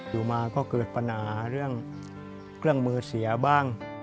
อยู่มาก็เกิดปัญหาเรื่องเครื่องมือเสียบ้าง